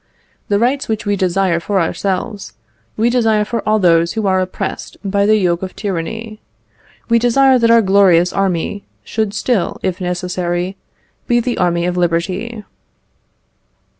The rights which we desire for ourselves, we desire for all those who are oppressed by the yoke of tyranny; we desire that our glorious army should still, if necessary, be the army of liberty."